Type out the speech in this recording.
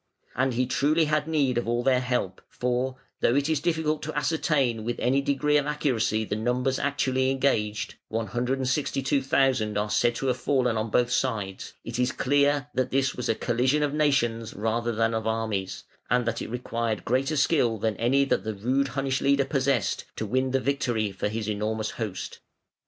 And truly he had need of all their help, for, though it is difficult to ascertain with any degree of accuracy the numbers actually engaged (162,000 are said to have fallen on both sides), it is clear that this was a collision of nations rather than of armies, and that it required greater skill than any that the rude Hunnish leader possessed, to win the victory for his enormous host.